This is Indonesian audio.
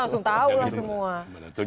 jadi langsung tahu lah semua